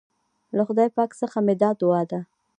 له خدای پاک څخه مي دا دعا ده